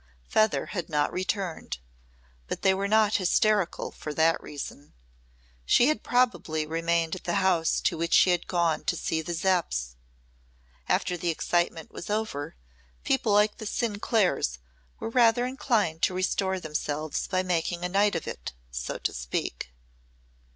Feather had not returned, but they were not hysterical for that reason. She had probably remained at the house to which she had gone to see the Zepps. After the excitement was over, people like the Sinclairs were rather inclined to restore themselves by making a night of it, so to speak.